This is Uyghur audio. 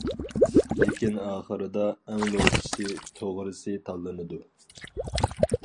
لېكىن، ئاخىرىدا ئەڭ نوچىسى، توغرىسى تاللىنىدۇ.